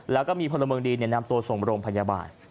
แล้วก็มีพลเมืองดีนำตัวส่งโรงพยาบาล